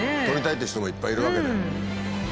取りたいって人もいっぱいいるわけだ。